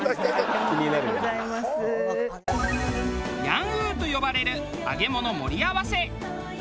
揚油と呼ばれる揚げ物盛り合わせ。